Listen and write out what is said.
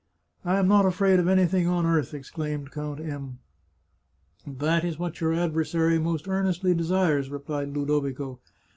" I am not afraid of anything on earth," exclaimed Count M ." That is what your adversary most earnestly desires," replied Ludovico.